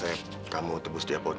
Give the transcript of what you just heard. apakah datang perawat